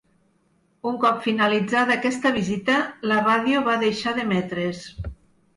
Un cop finalitzada aquesta visita, la ràdio va deixar d'emetre's.